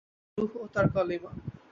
তাঁর রূহ ও তাঁর কালিমা।